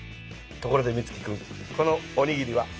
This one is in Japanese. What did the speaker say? ところでミツキ君このおにぎりは？